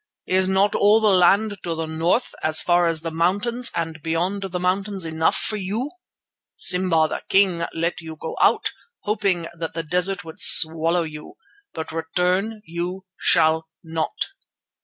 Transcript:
Is not all the land to the north as far as the mountains and beyond the mountains enough for you? Simba the King let you go out, hoping that the desert would swallow you, but return you shall not."